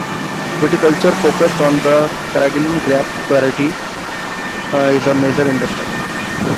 Viticulture, focussed on the Carignan grape variety, is a major industry.